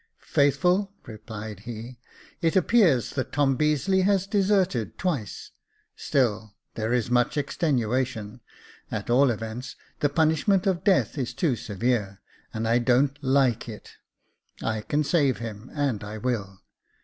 " Faithful," replied he, '* it appears that Tom Beazeley has deserted twice j still there is much extenuation : at all events, the punishment of death is too severe, and I don't like it — I can save him, and I will.